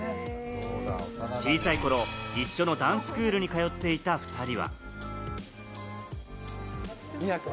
小さい頃、一緒のダンススクールに通っていた２人は。